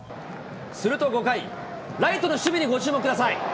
すると５回、ライトの守備にご注目ください。